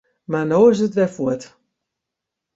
Mar no is it wer fuort.